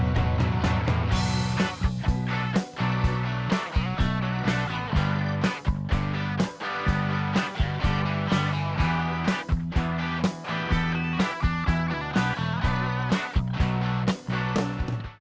โปรดติดตามตอนต่อไป